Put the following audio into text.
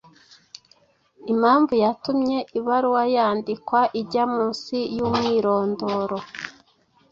Impamvu yatumye ibaruwa yandikwa: Ijya munsi y’umwirondoro